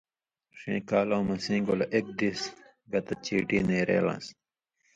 ݜَیں کالؤں مہ سیں گولہ اېک دیس گتہ چیٹی نېرے لان٘س